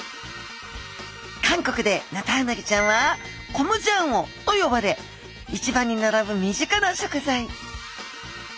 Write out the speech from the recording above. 韓国でヌタウナギちゃんはコムジャンオと呼ばれ市場に並ぶ身近な食材。